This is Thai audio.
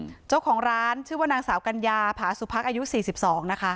เจ้าของร้านชื่อว่านางสาวกัญญาผาสุพักอายุสี่สิบสองนะคะ